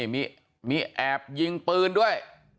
มีแอบยิงปืนด้วย